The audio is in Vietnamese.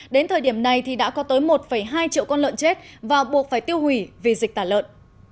đến thời điểm này thì đã có tới một hai triệu con lợn chết và buộc phải tiêu hủy vì dịch tả lợn